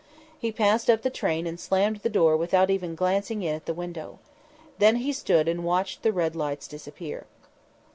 He passed up the train and slammed the door without even glancing in at the window. Then he stood and watched the red lights disappear.